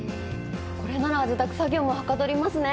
これなら自宅作業もはかどりますね。